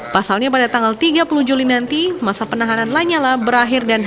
pasalnya pada tanggal tiga puluh juli nanti masa penahanan lanyala berakhir